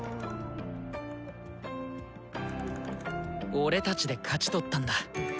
「俺たち」で勝ち取ったんだ。